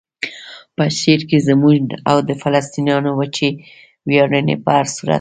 په شعر کې زموږ او د فلسطینیانو وچې ویاړنې په هر صورت.